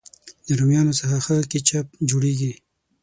د رومیانو څخه ښه کېچپ جوړېږي.